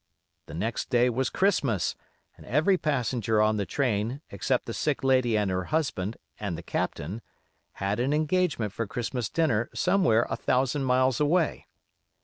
The next day was Christmas, and every passenger on the train, except the sick lady and her husband, and the Captain, had an engagement for Christmas dinner somewhere a thousand miles away.